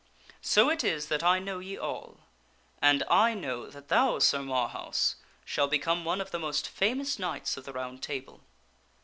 So it is that I know ye all. And I know that thou, Sir Marhaus, shall become one of the most famous Knights of the Round Table."